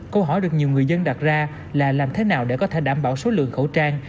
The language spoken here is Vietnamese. câu hỏi được nhiều người dân đặt ra là làm thế nào để có thể đảm bảo số lượng khẩu trang